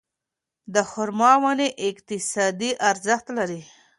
د خورما ونې اقتصادي ارزښت لري.